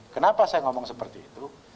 kenapa saya ngomong seperti itu